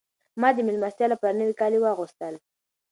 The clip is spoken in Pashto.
ما د مېلمستیا لپاره نوي کالي واغوستل.